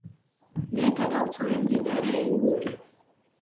მე, გადავცურე მდინარე ენგური.